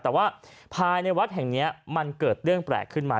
แต่ว่าภายในวัดแห่งนี้มันเกิดเรื่องแปลกขึ้นมา